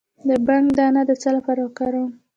د بنګ دانه د څه لپاره وکاروم؟